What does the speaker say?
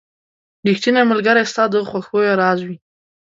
• ریښتینی ملګری ستا د خوښیو راز وي.